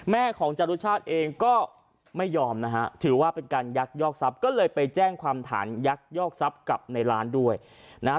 แม่ของจรุชาติเองก็ไม่ยอมนะฮะถือว่าเป็นการยักยอกทรัพย์ก็เลยไปแจ้งความฐานยักยอกทรัพย์กับในร้านด้วยนะฮะ